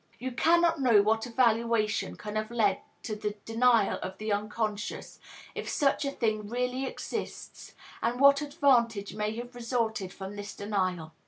You cannot know what evaluation can have led to the denial of the unconscious, if such a thing really exists, and what advantage may have resulted from this denial.